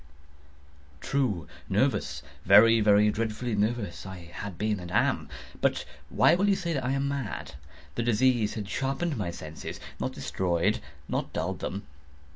True!—nervous—very, very dreadfully nervous I had been and am; but why will you say that I am mad? The disease had sharpened my senses—not destroyed—not dulled them.